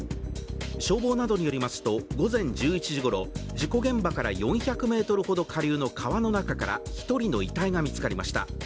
消防などによりますと午前１１時ごろ事故現場から４００ｍほど下流の川の中から１人の遺体が見つかりました。